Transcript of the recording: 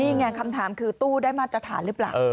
นี่ไงคำถามคือตู้ได้มาตรฐานหรือเปล่า